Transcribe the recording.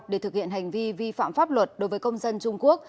để thực hiện hành vi vi phạm pháp luật đối với công dân trung quốc